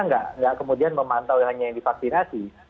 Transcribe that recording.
tidak kemudian memantau hanya yang divaksinasi